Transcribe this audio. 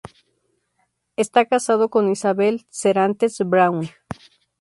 Está casado con Isabel Serantes Braun.